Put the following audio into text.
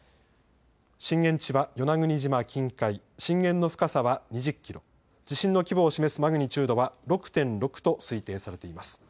震源地は与那国島近海、震源の深さは２０キロ、地震の規模を示すマグニチュードは６．６と推定されています。